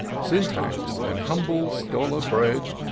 Sjoitax, an humble scholar bred.